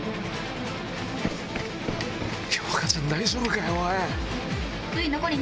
今日香ちゃん大丈夫かよおい！